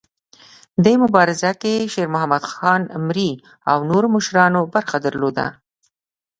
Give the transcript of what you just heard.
دې مبارزه کې شیرمحمد خان مري او نورو مشرانو برخه درلوده.